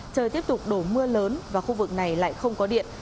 trời tiếp tục đổ mưa lớn và khu vực này lại không có điện